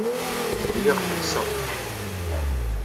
Lliɣ ḥebseɣ.